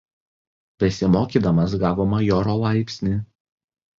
Besimokydamas gavo majoro laipsnį.